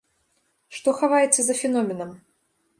Што хаваецца за феноменам?